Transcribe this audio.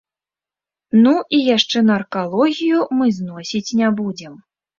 Ну, і яшчэ наркалогію мы зносіць не будзем.